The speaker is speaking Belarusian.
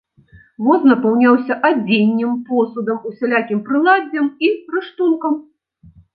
Воз напаўняўся адзеннем, посудам, усялякім прыладдзем і рыштункам.